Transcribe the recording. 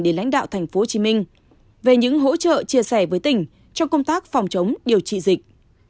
đến lãnh đạo tp hcm về những hỗ trợ chia sẻ với tỉnh trong công tác phòng chống điều trị dịch